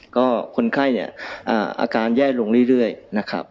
ก็คนไข้เนี่ยอาการแย่ลงเรื่อยนะครับ